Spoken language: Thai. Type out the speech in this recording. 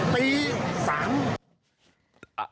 ถ้ามีราวกั้นเจอหน่อยมันไม่เผลอ